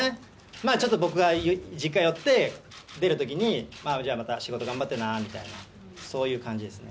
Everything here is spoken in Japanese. ちょっと僕が実家寄って、出るときに、じゃあまた、仕事頑張ってなみたいな、そういう感じですね。